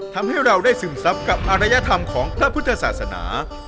ทำให้เราได้ซึมซับกับอารยธรรมของพระพุทธศาสนา